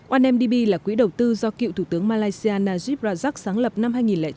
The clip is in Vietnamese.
onmdb là quỹ đầu tư do cựu thủ tướng malaysia najib razak sáng lập năm hai nghìn chín